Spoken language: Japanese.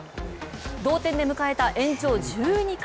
同点で迎えた延長１２回。